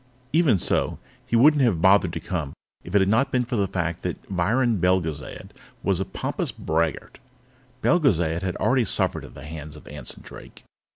Even so, he wouldn't have bothered to come if it had not been for the fact that Viron Belgezad was a pompous braggart. Belgezad had already suffered at the hands of Anson Drake.